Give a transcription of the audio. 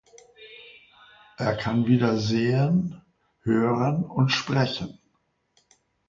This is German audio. Er kann wieder sehen, hören und sprechen.